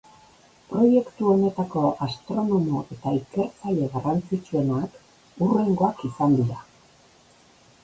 Proiektu honetako astronomo eta ikertzaile garrantzitsuenak hurrengoak izan dira.